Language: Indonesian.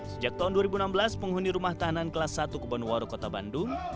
sejak tahun dua ribu enam belas penghuni rumah tahanan kelas satu kebanuwaro kota bandung